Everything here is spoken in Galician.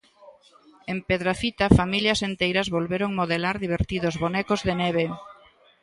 En Pedrafita familias enteiras volveron modelar divertidos bonecos de neve.